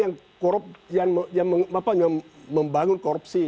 yang membangun korupsi